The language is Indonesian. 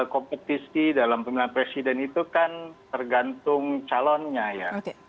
kompetisi dalam pemilihan presiden itu kan tergantung calonnya ya